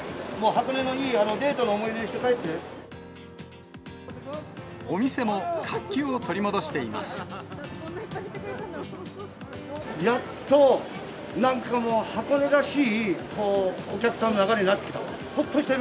箱根のいいデートの思い出にしてお店も、活気を取り戻していやっと、なんかもう、箱根らしいお客さんの流れになってきた。